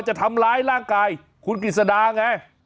จะทำร้ายร่างกายคุณกฤษดาไง